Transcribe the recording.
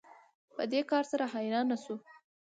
په دې کار سره حیرانه شو